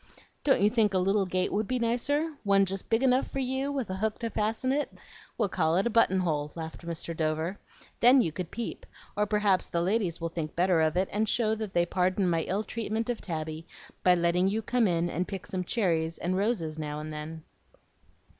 "Don't you think a little gate would be nicer, one just big enough for you, with a hook to fasten it? We'll call it a button hole," laughed Mr. Dover. "Then you could peep; or perhaps the ladies will think better of it, and show that they pardon my ill treatment of Tabby by letting you come in and pick some cherries and roses now and then."